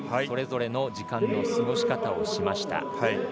それぞれの時間の過ごしかたをしました。